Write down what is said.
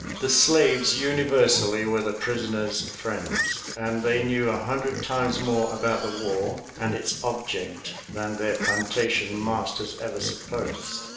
The slaves universally were the prisoners' friends, and they knew a hundred times more about the war and its object than their plantation masters ever supposed.